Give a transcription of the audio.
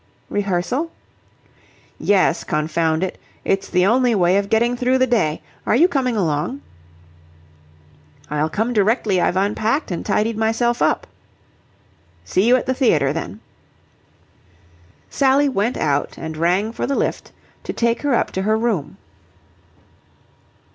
"Rehearsal?" "Yes, confound it. It's the only way of getting through the day. Are you coming along?" "I'll come directly I've unpacked and tidied myself up." "See you at the theatre, then." Sally went out and rang for the lift to take her up to her room.